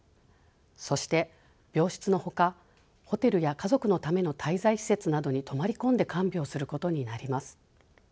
そして病室のほかホテルや家族のための滞在施設などに泊まり込んで看病することになります。